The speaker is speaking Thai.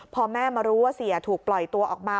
พอแม่มารู้ว่าเสียถูกปล่อยตัวออกมา